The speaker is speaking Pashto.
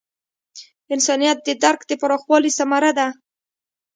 انسانیت د درک د پراخوالي ثمره ده.